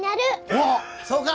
おおそうか！